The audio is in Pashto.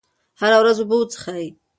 هره ورځ اوبه وڅښئ.